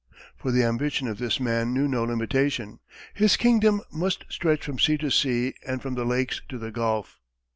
For the ambition of this man knew no limitation. His kingdom must stretch from sea to sea and from the lakes to the gulf.